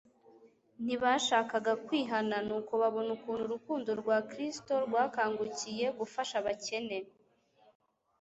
Ntibashakaga kwihana. Nuko babona ukuntu urukundo rwa Kristo rwakangukiye gufasha abakene,